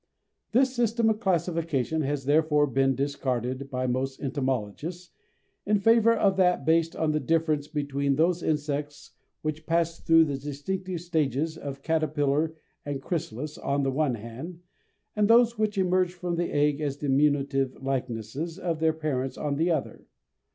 This system of classification has therefore been discarded by most entomologists in favour of that based on the difference between those insects which pass through the distinctive stages of caterpillar and chrysalis on the one hand, and those which emerge from the egg as diminutive likenesses of their parents on the other.